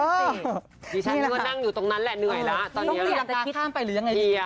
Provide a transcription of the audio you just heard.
นี่แหละค่ะนี่ฉันนึกว่านั่งอยู่ตรงนั้นแหละเหนื่อยแล้วตอนนี้ไม่อยากจะข้ามไปหรือยังไงดี